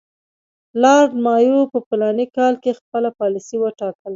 لارډ مایو په فلاني کال کې خپله پالیسي وټاکله.